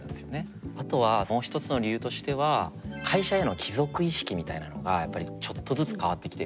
あとはもう一つの理由としては会社への帰属意識みたいなのがやっぱりちょっとずつ変わってきてる。